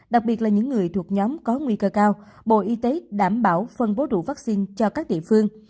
đặc biệt là những người thuộc nhóm có nguy cơ cao bộ y tế đảm bảo phân bố đủ vaccine cho các địa phương